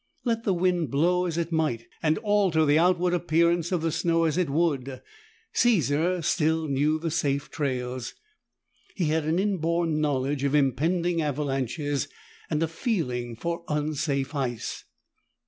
Let the wind blow as it might, and alter the outward appearance of the snow as it would, Caesar still knew the safe trails. He had an inborn foreknowledge of impending avalanches and a feeling for unsafe ice.